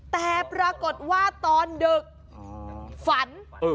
แต่ปรากฏว่าตอนดึกฝัน